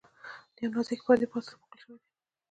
د یوې نازکې پردې په واسطه پوښل شوي دي.